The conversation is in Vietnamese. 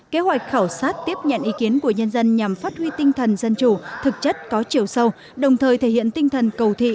kế hoạch khảo sát tiếp nhận ý kiến của nhân dân nhằm phát huy tinh thần dân chủ thực chất có chiều sâu đồng thời thể hiện tinh thần cầu thị